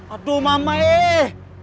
aduh mama eh